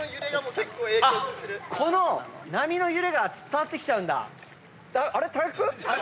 この波の揺れが伝わってきちゃうんだ。